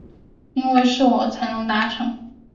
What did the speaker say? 因为是我才能达成